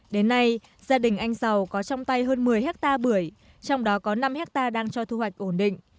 đến nay gia đình anh giàu có trong tay hơn một mươi hectare bưởi trong đó có năm hectare đang cho thu hoạch ổn định